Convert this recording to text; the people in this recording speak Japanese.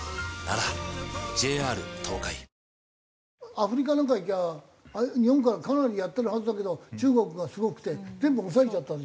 アフリカなんか行きゃ日本からかなりやってるはずだけど中国がすごくて全部押さえちゃったでしょ。